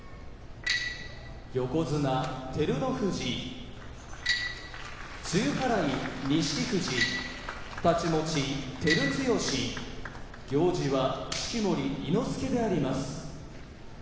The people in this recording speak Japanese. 横綱照ノ富士露払い錦富士太刀持ち照強行司は式守伊之助であります。